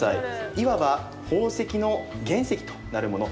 いわば、宝石の原石となるもの。